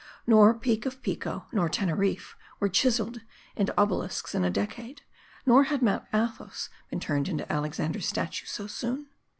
Nor Peak of Piko, nor TenerifFe, were chiseled into obelisks in a decade ; nor had Mount Athos been turned into Alexander's statue so soon.